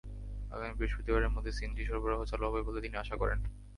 আগামী বৃহস্পতিবারের মধ্যে সিএনজি সরবরাহ চালু হবে বলে তিনি আশা করেন।